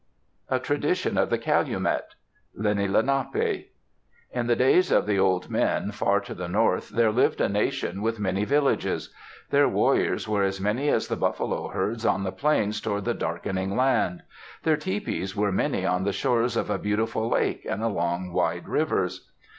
A TRADITION OF THE CALUMET Lenni Lenapi In the days of the old men, far to the north there lived a nation with many villages. Their warriors were as many as the buffalo herds on the plains toward the Darkening Land. Their tepees were many on the shores of a beautiful lake and along wide rivers.